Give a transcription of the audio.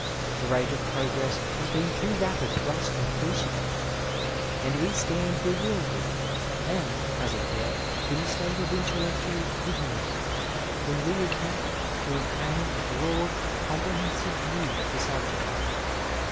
The rate of progress has been too rapid for us to appreciate, and we stand bewildered and, as it were, in a state of intelleotual giddiness, when we attempt to obtain a broad, comprehensive view of the subject.